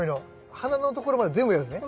花の所まで全部やるんですね。